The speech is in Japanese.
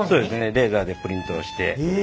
レーザーでプリントをして。